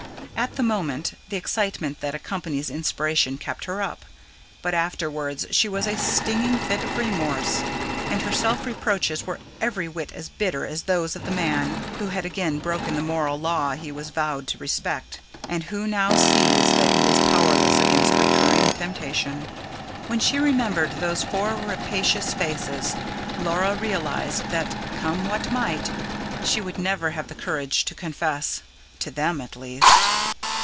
At the moment, the excitement that accompanies inspiration kept her up; but afterwards she had a stinging fit of remorse; and her self reproaches were every whit as bitter as those of the man who has again broken the moral law he has vowed to respect, and who now sees that he is powerless against recurring temptation. When she remembered those four rapacious faces, Laura realised that, come what might, she would never have the courage to confess. To them, at least.